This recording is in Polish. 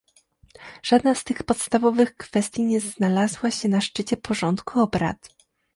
żadna z tych podstawowych kwestii nie znalazła się na szczycie w porządku obrad